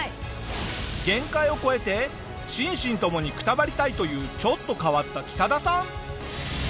限界を超えて心身ともにくたばりたいというちょっと変わったキタダさん。